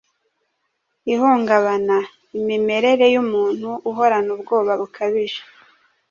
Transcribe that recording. Ihungabana: imimerere y’umuntu uhorana ubwoba bukabije